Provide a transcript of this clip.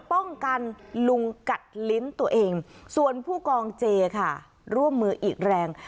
ป้องกันลุงกัดลิ้นตัวเองส่วนผู้กองเจค่ะร่วมมืออีกแรง